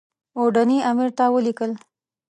اوډني امیر ته ولیکل.